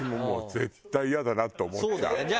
絶対イヤだなって思っちゃう。